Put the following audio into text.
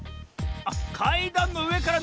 あっかいだんのうえからなおすのね。